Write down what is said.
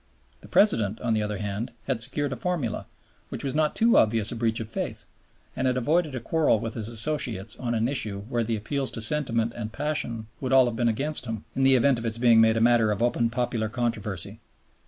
The President, on the other hand, had secured a formula, which was not too obvious a breach of faith, and had avoided a quarrel with his Associates on an issue where the appeals to sentiment and passion would all have been against him, in the event of its being made a matter of open popular controversy.